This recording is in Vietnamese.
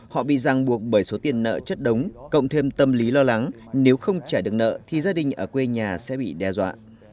họ bị ràng buộc bởi số tiền nợ chất đóng cộng thêm tâm lý lo lắng nếu không trả được nợ thì gia đình ở quê nhà sẽ bị đe dọa